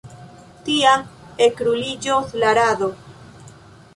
Tiam ekruliĝos la rado.